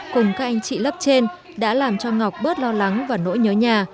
cùng các anh chị lớp trên đã làm cho ngọc bớt lo lắng và nỗi nhớ nhà